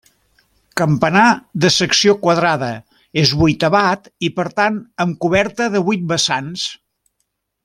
Campanar, de secció quadrada, és vuitavat i per tant amb coberta de vuit vessants.